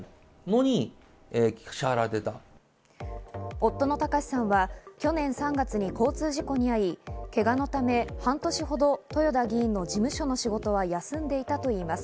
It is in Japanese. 夫の貴志さんは去年３月に交通事故に遭い、けがのため半年ほど豊田議員の事務所の仕事は休んでいたといいます。